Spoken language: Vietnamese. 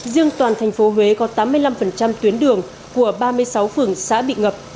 riêng toàn thành phố huế có tám mươi năm tuyến đường của ba mươi sáu phường xã bị ngập